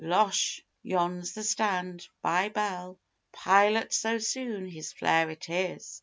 Losh! Yon's the "Stand by" bell. Pilot so soon? His flare it is.